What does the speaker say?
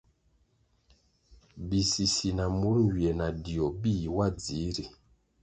Bisisi na mur nywie na dio bih wa dzihri.